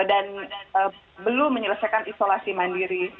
dan belum menyelesaikan isolasi mandiri